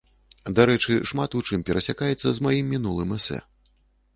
Дарэчы, шмат у чым перасякаецца з маім мінулым эсэ.